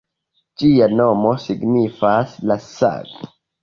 Ĝia nomo signifas “La Sago”.